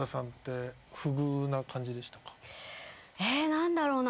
何だろうな。